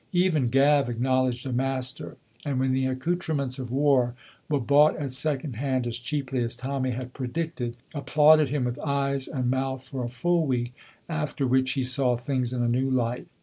Even Gav acknowledged a master, and, when the accoutrements of war were bought at second hand as cheaply as Tommy had predicted, applauded him with eyes and mouth for a full week, after which he saw things in a new light.